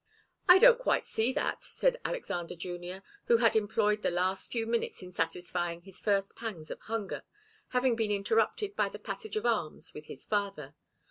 "I don't quite see that," said Alexander Junior, who had employed the last few minutes in satisfying his first pangs of hunger, having been interrupted by the passage of arms with his father.